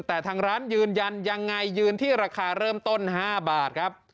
แต่ทางร้านยืนยันยังไงยืนที่ราคาเริ่มต้น๕บาทครับ